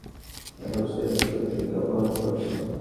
এখন সে শ্রুতিকে অপহরণ করছে।